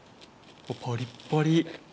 パリパリ。